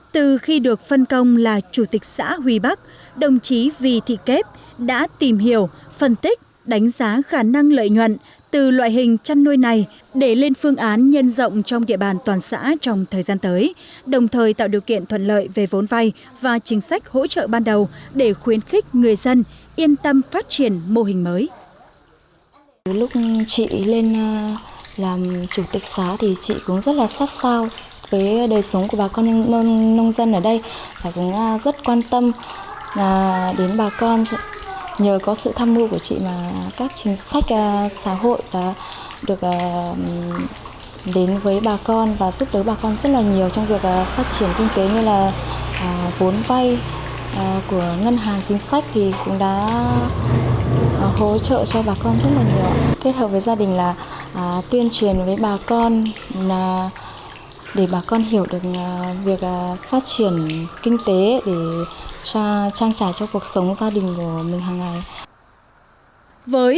từ khi được phân công là chủ tịch xã huy bắc đồng chí vy thị kép đã tìm hiểu phân tích đánh giá khả năng lợi nhuận từ loại hình chăn nuôi này để lên phương án nhân rộng trong địa bàn toàn xã trong thời gian tới đồng thời tạo điều kiện thuận lợi về vốn vay và chính sách hỗ trợ ban đầu để khuyến khích người dân yên tâm phát triển mô hình mới